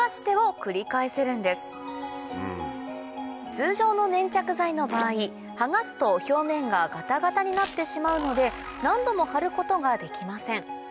通常の粘着剤の場合剥がすと表面がガタガタになってしまうので何度も貼ることができません